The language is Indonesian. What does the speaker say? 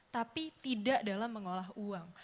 tapi tidak dalam mengolah uang